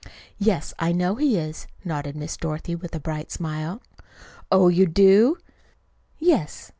"Yes, I know he is," nodded Miss Dorothy with a bright smile. "Oh, you do!" "Yes.